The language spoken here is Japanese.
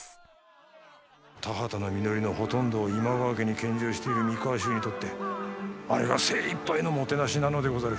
田畑の実りのほとんどを今川家に献上している三河衆にとってあれが精いっぱいのもてなしなのでござる。